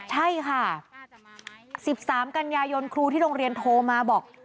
ใช่ค่ะ๑๓กันยายนครูที่โรงเรียนโทรมาบอก